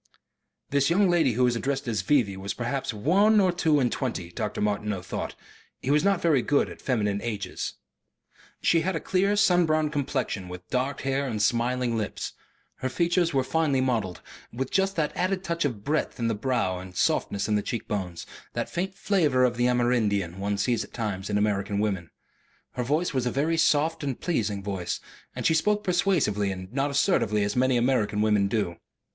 This young lady who was addressed as "V.V." was perhaps one or two and twenty, Dr. Martineau thought, he was not very good at feminine ages. She had a clear sun browned complexion, with dark hair and smiling lips. Her features were finely modelled, with just that added touch of breadth in the brow and softness in the cheek bones, that faint flavour of the Amerindian, one sees at times in American women. Her voice was a very soft and pleasing voice, and she spoke persuasively and not assertively as so many American women do.